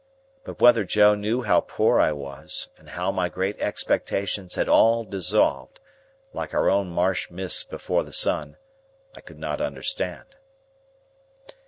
But whether Joe knew how poor I was, and how my great expectations had all dissolved, like our own marsh mists before the sun, I could not understand.